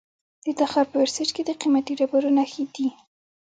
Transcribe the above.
د تخار په ورسج کې د قیمتي ډبرو نښې دي.